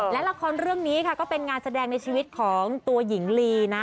และละครเรื่องนี้ค่ะก็เป็นงานแสดงในชีวิตของตัวหญิงลีนะ